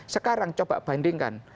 sekarang coba bandingkan